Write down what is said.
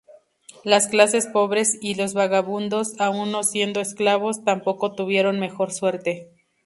Las clases pobres y los vagabundos, aun no siendo esclavos, tampoco tuvieron mejor suerte.